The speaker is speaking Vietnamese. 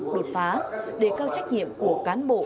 đột phá đề cao trách nhiệm của cán bộ